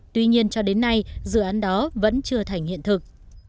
tuy nhiên cho đến nay dự án đó vẫn chưa thành hiện thực